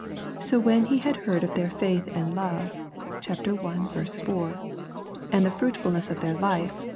So when he had heard of their faith and love (ch. i. 4), and the fruit fulness of their life (ch.